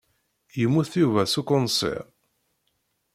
Yemmut Yuba s ukunṣiṛ.